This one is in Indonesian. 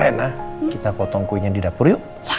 enak kita potong kuenya di dapur yuk